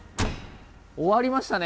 終わりましたね